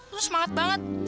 lu semangat banget